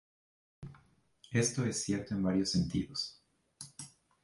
Esto es cierto en varios sentidos.